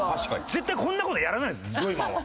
絶対こんな事やらないですジョイマンは。